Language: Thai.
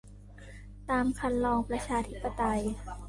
ตามครรลองประชาธิปไตย